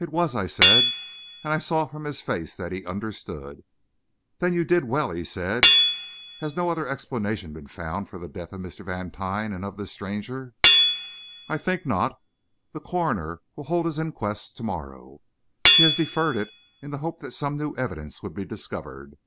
"It was," I said, and I saw from his face that he understood. "Then you did well," he said. "Has no other explanation been found for the death of Mr. Vantine and of this stranger?" "I think not. The coroner will hold his inquest to morrow. He has deferred it in the hope that some new evidence would be discovered."